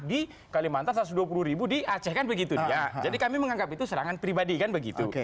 di kalimantan satu ratus dua puluh ribu di aceh kan begitu dia jadi kami menganggap itu serangan pribadi kan begitu